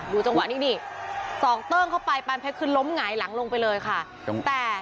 ดูจังหวะนี่ซอกเติ้งเข้าไปปานเพชรคิดล้มหน่ายหลังลงไปเลยค่ะ